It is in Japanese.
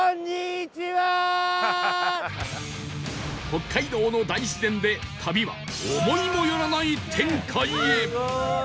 北海道の大自然で旅は思いもよらない展開へ